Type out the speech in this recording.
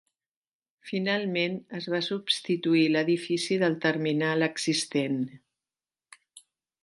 Finalment, es va substituir l'edifici del terminal existent.